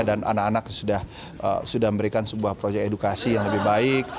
dan anak anak sudah memberikan sebuah proyek edukasi yang lebih baik